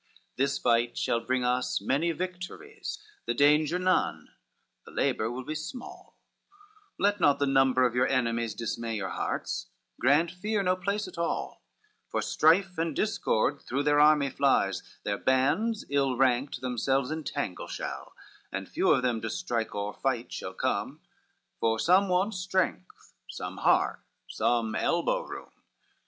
XV "This fight shall bring us many victories, The danger none, the labor will be small, Let not the number of your enemies Dismay your hearts, grant fear no place at all; For strife and discord through their army flies, Their bands ill ranked themselves entangle shall, And few of them to strike or fight shall come, For some want strength, some heart, some elbow room.